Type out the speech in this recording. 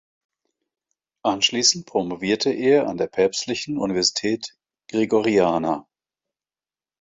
Anschließend promovierte er an der Päpstlichen Universität Gregoriana.